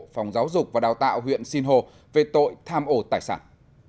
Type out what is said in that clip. phòng giáo dục và đào tạo huyện sinh hồ về tội tham ô tài sản